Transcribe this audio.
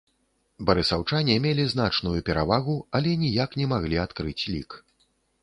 Барысаўчане мелі значную перавагу, але ніяк не маглі адкрыць лік.